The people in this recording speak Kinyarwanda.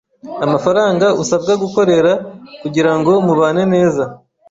amafaranga usabwa gukorera kugirango mubane neza